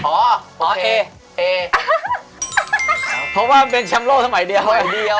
เพราะว่าเป็นแชมโลสมัยเดียว